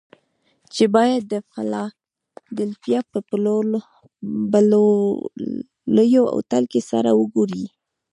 چې بايد د فلادلفيا په بلوويو هوټل کې سره وګوري.